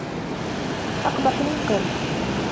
أقبح من قرد